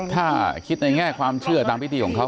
ถ้าคิดในแง่ความเชื่อตามพิธีของเขา